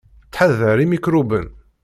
Ttḥadar imikṛuben!.